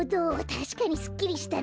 たしかにすっきりしたな。